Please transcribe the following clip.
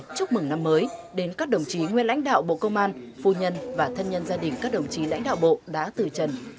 chúc mừng năm mới đến các đồng chí nguyên lãnh đạo bộ công an phu nhân và thân nhân gia đình các đồng chí lãnh đạo bộ đã từ trần